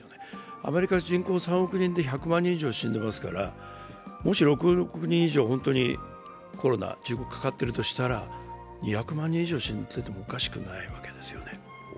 アメリカは人口３億人で１００万人以上死んでますから、もし６億人以上、本当にコロナが中国かかっているとしたら２００万人以上死んでいてもおかしくないわけですね。